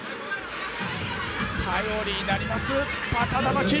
頼りになります、高田真希。